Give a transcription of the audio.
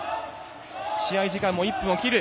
日本逆転！試合時間も１分を切る。